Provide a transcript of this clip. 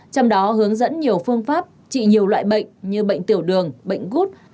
trong đó hướng dẫn nhiều phương pháp trị nhiều loại bệnh như bệnh tiểu đường bệnh gút